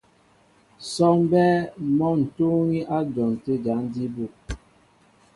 Sɔ́ɔŋ mbɛ́ɛ́ mɔ́ ń túúŋí á dyɔn tə̂ jǎn jí bú.